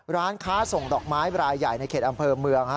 ร้านค้าส่งดอกไม้รายใหญ่ในเขตอำเภอเมือง